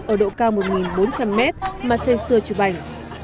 ở độ cao một bốn trăm linh m mà xây xưa chụp ảnh